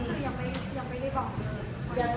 คือยังไม่ได้บอกเลย